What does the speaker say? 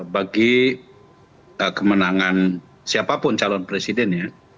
bagi kemenangan siapapun calon presidennya